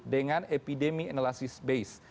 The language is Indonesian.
dengan epidemi analysis based